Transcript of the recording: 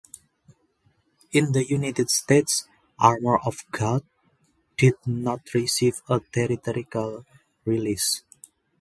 In the United States, "Armour of God" did not receive a theatrical release.